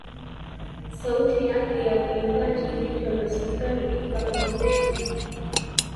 Her singing voice was dubbed by soprano Eva Olivetti.